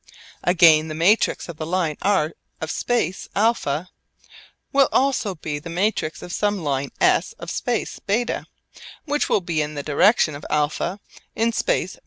Again the matrix of the line r of space α will also be the matrix of some line s of space β which will be in the direction of α in space β.